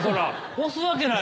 押すわけない。